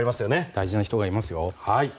大事な人がいますよ。